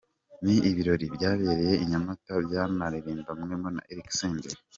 Ni ibirori byabereye I Nyamata byanaririmbwemo na Eric Senderi.